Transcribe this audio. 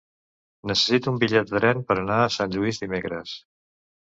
Necessito un bitllet de tren per anar a Sant Lluís dimecres.